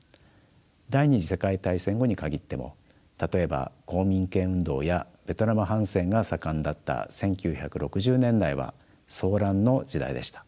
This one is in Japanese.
第２次世界大戦後に限っても例えば公民権運動やベトナム反戦が盛んだった１９６０年代は騒乱の時代でした。